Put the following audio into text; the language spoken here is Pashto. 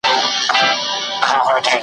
چي مساپر دي له ارغوان کړم .